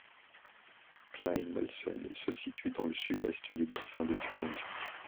Kleinmölsen se situe dans le sud-est du Bassin de Thuringe.